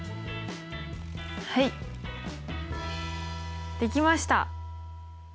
はいできました。